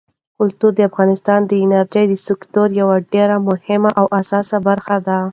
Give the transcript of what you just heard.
کلتور د افغانستان د انرژۍ د سکتور یوه ډېره مهمه او اساسي برخه ده.